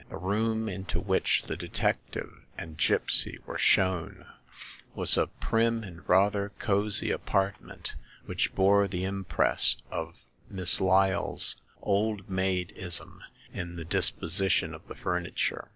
The room into which the detective and gipsy were shown was a prim and rather cosy apart ment, which bore the impress of Miss Lyle's old maidism in the disposition of the furniture.